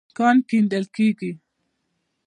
کان کيندل کېږي.